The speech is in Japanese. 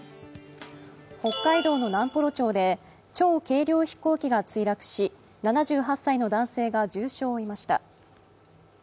北海道の南幌町で超軽量飛行機が墜落し７８歳の男性が重傷を負いました。